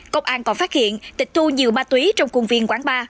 công an còn phát hiện tịch thu nhiều ma túy trong quân viên quán ba